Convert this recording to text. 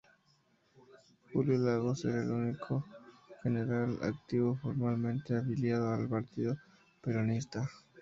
Julio Lagos era el único general activo formalmente afiliado al partido peronista.